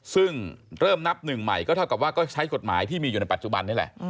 ซึ่งเริ่มนับหนึ่งใหม่ก็เท่ากับว่าก็ใช้กฎหมายที่มีอยู่ในปัจจุบันนี่แหละ